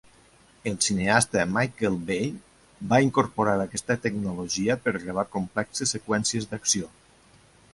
El cineasta Michael Bay va incorporar aquesta tecnologia per gravar complexes seqüències d'acció.